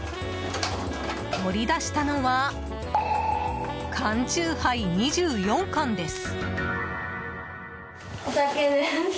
取り出したのは缶酎ハイ、２４缶です。